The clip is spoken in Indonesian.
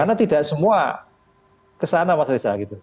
karena tidak semua kesana mas rizal